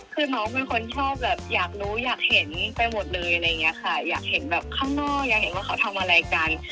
คือน้องเป็นคนชอบแบบอยากรู้อยากเห็นไปหมดเลยอะไรอย่างเงี้ยค่ะอยากเห็นแบบข้างนอกอยากเห็นว่าเขาทำอะไรกัน